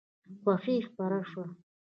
خوښي خپره شوه.